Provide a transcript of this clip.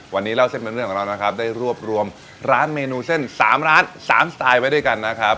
วันนี้เล่าเส้นเป็นเรื่องของเรานะครับได้รวบรวมร้านเมนูเส้น๓ร้าน๓สไตล์ไว้ด้วยกันนะครับ